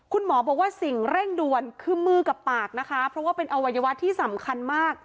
คุณหมอบอกว่าสิ่งเร่งด่วนคือมือกับปากนะคะเพราะว่าเป็นอวัยวะที่สำคัญมาก